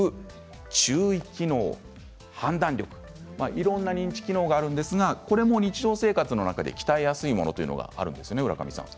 いろんな認知機能がありますがこれも日常生活の中で鍛えやすいものってあるんですよね。